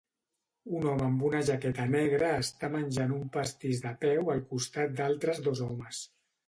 Un home amb una jaqueta negra està menjant un pastís de peu al costat d'altres dos homes.